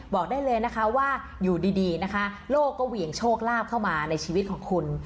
บอกได้เลยนะคะว่าอยู่ดีนะคะโลกก็เหวี่ยงโชคลาภเข้ามาในชีวิตของคุณ